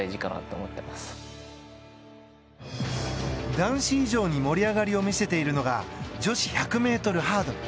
男子以上に盛り上がりを見せているのが女子１００ｍハードル。